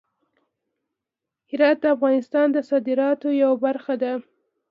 هرات د افغانستان د صادراتو یوه برخه ده.